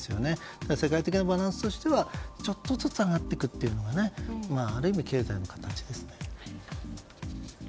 世界的なバランスとしてもちょっとずつ上がっていくというのがある意味、経済の形ですね。